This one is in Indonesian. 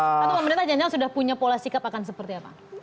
atau pemerintah jangan jangan sudah punya pola sikap akan seperti apa